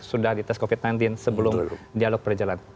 sudah di tes covid sembilan belas sebelum dialog berjalan